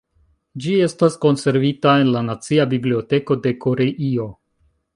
Ĝi estas konservita en la nacia biblioteko de Koreio.